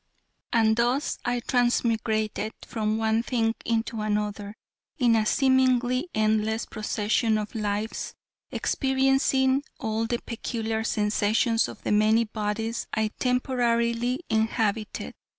And thus I transmigrated from one thing into another, in a seemingly endless procession of lives, experiencing all the peculiar sensations of the many bodies I temporarily inhabited.